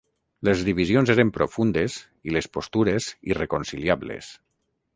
Les divisions eren profundes i les postures irreconciliables.